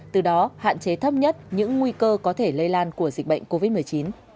từ đó hạn chế thấp nhất những nguy cơ có thể lây lan của dịch bệnh covid một mươi chín